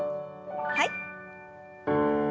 はい。